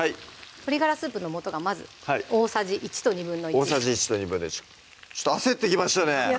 鶏ガラスープの素がまず大さじ１と１／２ちょっと焦ってきましたね